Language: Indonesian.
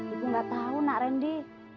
ibu nggak tahu nak randy